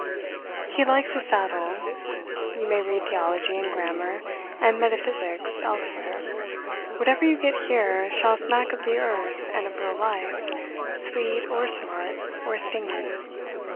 He likes his saddle. You may read theology, and grammar, and metaphysics elsewhere. Whatever you get here, shall smack of the earth and of real life, sweet, or smart, or stinging.